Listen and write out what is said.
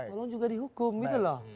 tolong juga dihukum gitu loh